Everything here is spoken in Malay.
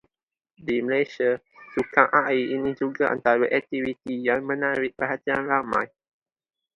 Di Malaysia sukan air ini juga antara aktiviti yang menarik perhatian ramai.